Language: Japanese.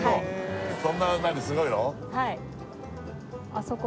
そんな何すごいの？